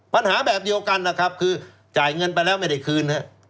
ปัญหาแบบเดียวกันนะครับคือจ่ายเงินไปแล้วไม่ได้คืน